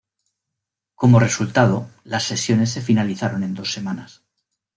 Como resultado, las sesiones se finalizaron en dos semanas.